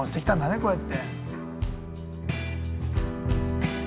こうやって。